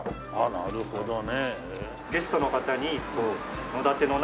なるほどね。